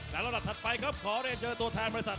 และรอดถัดไปครับขอได้เจอตัวแทนบริษัท